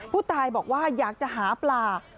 ผู้ตายบอกว่าอยากจะหาปลา